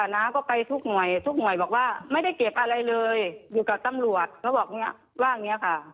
น้าก็ไปทุกหน่วยทุกหน่วยบอกว่าไม่ได้เก็บอะไรเลยอยู่กับตำรวจเขาบอกเนี่ยว่าอย่างนี้ค่ะ